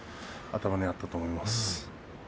頭にあったと思います。